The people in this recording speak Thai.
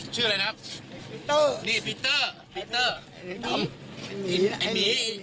ชื่ออะไรครับ